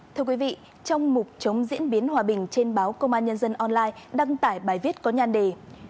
thưa quý vị trong mục chống diễn biến hòa bình trên báo công an nhân dân online đăng tải bài viết có nhan đề